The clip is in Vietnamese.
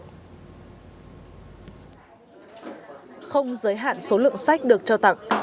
không giới hạn số lượng sách được trao tặng